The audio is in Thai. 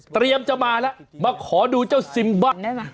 เตรียมจะมาแล้วมาขอดูเจ้าโจซิมบ้า